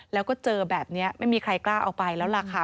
แล้วก็เจอแบบนี้ไม่มีใครกล้าเอาไปแล้วล่ะค่ะ